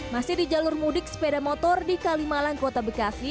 masih di jalur mudik sepeda motor di kalimalang kota bekasi